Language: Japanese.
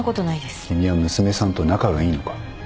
君は娘さんと仲がいいのか？